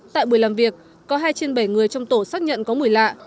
tại buổi làm việc có hai trên bảy người trong tổ xác nhận có mùi lạ